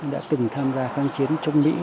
đã từng tham gia kháng chiến trong mỹ